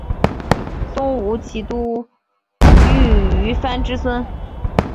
东吴骑都尉虞翻之孙。